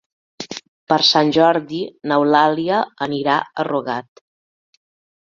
Per Sant Jordi n'Eulàlia anirà a Rugat.